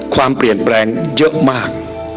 ความเปลี่ยนแปลงเยอะมาก